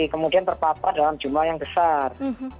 kemudian terpapar dalam jumlah yang besar